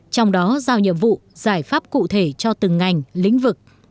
trong đó giao nhiệm vụ giải pháp cụ thể cho từng ngành lĩnh vực